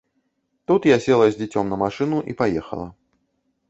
Тут я села з дзіцём на машыну і паехала.